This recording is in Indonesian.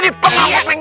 lu tau gua punya oping